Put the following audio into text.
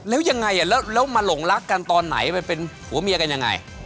แล้วยังไงแล้วมาหลงรักกันตอนไหนไปเป็นผัวเมียกันยังไง